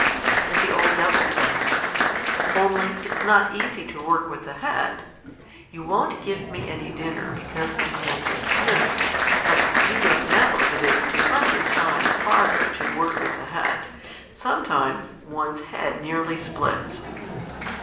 And the old Devil said, "Only it's not easy to work with the head. You won't give me any dinner because my hands are smooth, but you don't know that it's a hundred times harder to work with the head. Sometimes one's head nearly splits."